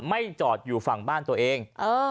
จอดอยู่ฝั่งบ้านตัวเอง